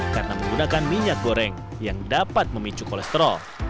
karena menggunakan minyak goreng yang dapat memicu kolesterol